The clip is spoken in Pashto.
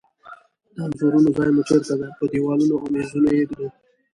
د انځورونو ځای مو چیرته ده؟ په دیوالونو او میزونو یی ایږدو